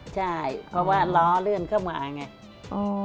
ใช่เพราะว่าล้อเลื่อนเข้ามาไง